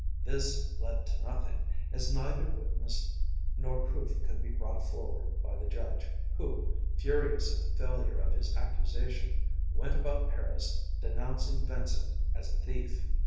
This led to nothing, as neither witness nor proof could be brought forward by the judge, who, furious at the failure of his accusation, went about Paris denouncing Vincent as a thief.